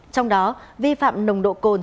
trong đó vi phạm nồng độ cồn